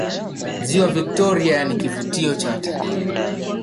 ziwa victoria ni kivutio cha watalii